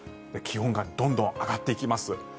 気温がどんどん上がっていきます。